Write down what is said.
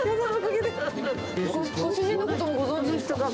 ご主人のこともご存じですか？